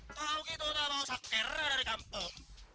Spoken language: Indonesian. tau gitu ngga mau saktera dari kampung